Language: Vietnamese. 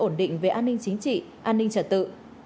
ổn định về an ninh chính trị an ninh trật tự